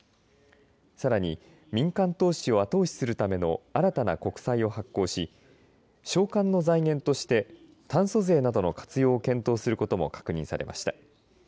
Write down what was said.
さらに民間投資を後押しするための新たな国債を発行し償還の財源として炭素税などの活用を検討することも確認されました。